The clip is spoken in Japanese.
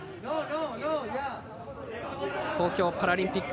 東京パラリンピック